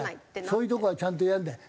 だからそういうとこはちゃんとやるんだよ。